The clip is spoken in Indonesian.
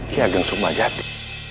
kiai ageng sukma jati